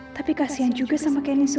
tapi kasihan juga sama kenzo